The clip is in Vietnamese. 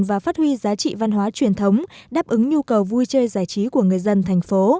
và phát huy giá trị văn hóa truyền thống đáp ứng nhu cầu vui chơi giải trí của người dân thành phố